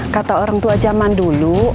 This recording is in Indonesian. kata orang tua zaman dulu